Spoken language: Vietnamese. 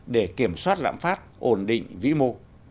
để kiểm soát lãm phát ổn định vĩ mô